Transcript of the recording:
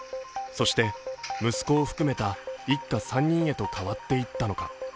そして息子を含めた一家３人へと変わっていったのか。